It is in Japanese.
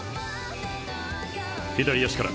左足から。